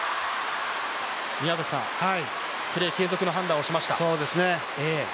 宮崎さん、プレー継続の判断をしました。